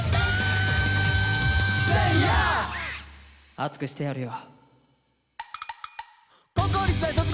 アツくしてやるよ。